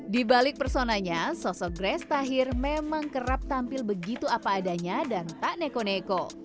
di balik personanya sosok grace tahir memang kerap tampil begitu apa adanya dan tak neko neko